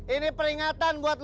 ini peringatan buat lu pade ya